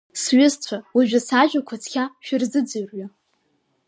Сҩызцәа уажәы сажәақәа цқьа шәырзыӡырҩы!